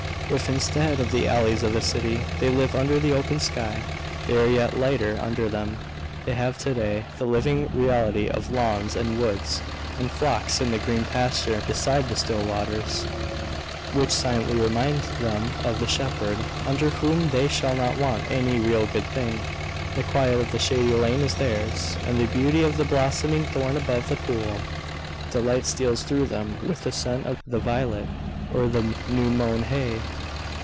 If, instead of the alleys of a city, they live under the open sky, they are yet lighter under their poverty. There, however blank the future may lie before them, they have to day the living reality of lawns and woods, and flocks in "the green pasture and beside the still waters," which silently remind them of the Shepherd, under whom they shall not want any real good thing. The quiet of the shady lane is theirs, and the beauty of the blossoming thorn above the pool. Delight steals through them with the scent of the violet, or the new mown hay.